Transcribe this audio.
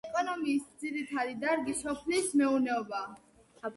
ეკონომიკის ძირითადი დარგი სოფლის მეურნეობაა.